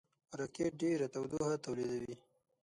راکټ ډېره تودوخه تولیدوي